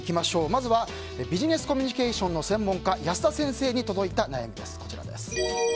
まず、ビジネスコミュニケーションの専門家安田先生に届いた悩みです。